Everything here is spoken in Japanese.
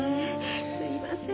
すいません。